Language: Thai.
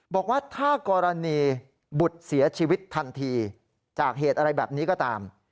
บอกว่าถ้ากรณีบุตรเสียชีวิตทันทีจากเหตุอะไรแบบนี้ก็ตาม